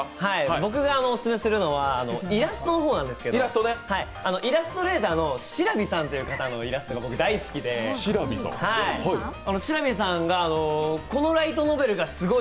僕がオススメするのはイラストの方なんですけれどもイラストレーターのしらびさんという方のイラストが大好きでしらびさんが「このライトノベルがすごい！」